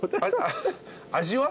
味は？